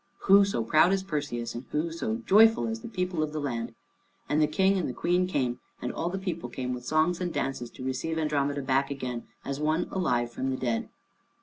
Who so proud as Perseus, and who so joyful as the people of the land! And the King and the Queen came, and all the people came with songs and dances to receive Andromeda back again, as one alive from the dead.